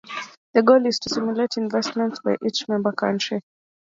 The goal is to stimulate investments by each member country.